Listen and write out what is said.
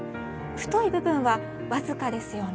太い部分は僅かですよね。